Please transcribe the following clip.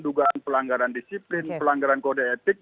dugaan pelanggaran disiplin pelanggaran kode etik